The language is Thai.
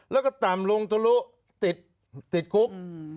แล้วก็ต่ำลงทะลุติดคุก